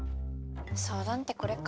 相談ってこれか。